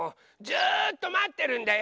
ずっとまってるんだよ。